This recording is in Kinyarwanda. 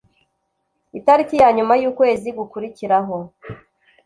itariki ya nyuma y ukwezi gukurikiraho